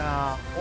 お。